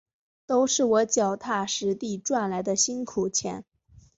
都是我脚踏实地赚来的辛苦钱